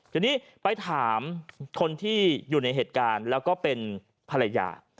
ทีนี้ไปถามคนที่อยู่ในเหตุการณ์แล้วก็เป็นภรรยา